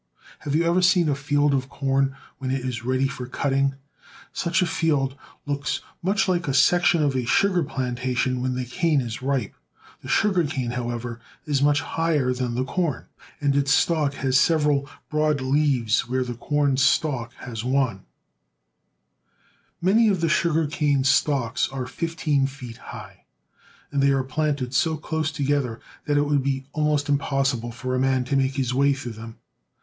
Have you ever seen a field of corn when it is ready for cutting? Such a field looks much like a section of a sugar plantation when the cane is ripe. The sugar cane, : however, is much higher than the corn, and its stalk has several broad leaves where the corn's stalk has one. iNIany of the sugar cane stalks are fifteen feet high, and they are planted so close together that it would be almost impossible for a man to make his way through them.